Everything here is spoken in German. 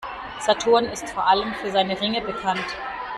Saturn ist vor allem für seine Ringe bekannt.